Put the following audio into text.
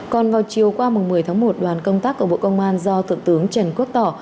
còn vào chiều qua một mươi tháng một đoàn công tác của bộ công an do thượng tướng trần quốc tỏ